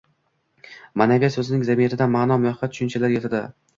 Ma’naviyat so‘zining zamirida ma’no, mohiyat tushunchalari yotadi.